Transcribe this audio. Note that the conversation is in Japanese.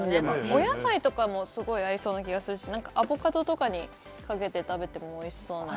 お野菜とかもすごく合いそうな気がするし、アボカドとかにかけて食べてもおいしそうな。